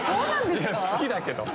いや好きだけど。